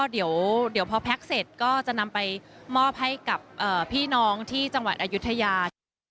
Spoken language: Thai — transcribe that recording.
เดี๋ยวพอแพ็คเสร็จก็จะนำไปมอบให้กับพี่น้องที่จังหวัดอายุทยา